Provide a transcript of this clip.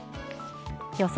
予想